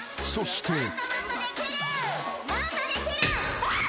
［そして］